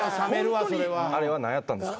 あれは何やったんですか？